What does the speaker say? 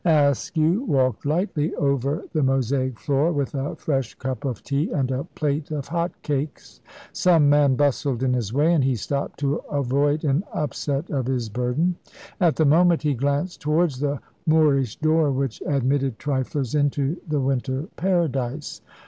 Askew walked lightly over the mosaic floor with a fresh cup of tea and a plate of hot cakes. Some man bustled in his way, and he stopped to avoid an upset of his burden. At the moment, he glanced towards the Moorish door which admitted triflers into the winter paradise.